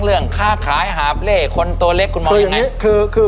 เรื่องค้าขายหาบเล่คนตัวเล็กคุณมองยังไง